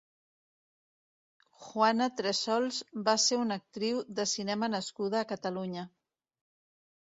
Juana Tressols va ser una actriu de cinema nascuda a Catalunya.